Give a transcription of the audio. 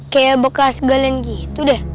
kayak bekas galen gitu deh